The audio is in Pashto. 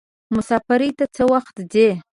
مسافری ته څه وخت ځئ.